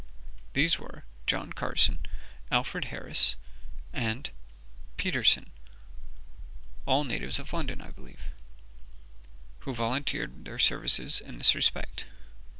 These were John Carson, Alfred Harris, and ___ Peterson (all natives of London, I believe), who volunteered their services in this respect.